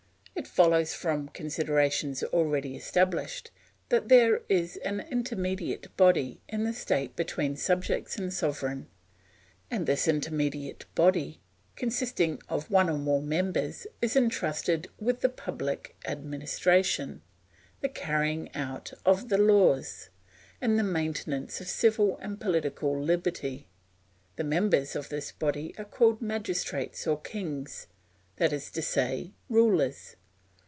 It follows from considerations already established that there is an intermediate body in the state between subjects and sovereign; and this intermediate body, consisting of one or more members, is entrusted with the public administration, the carrying out of the laws, and the maintenance of civil and political liberty. The members of this body are called magistrates or kings, that is to say, rulers.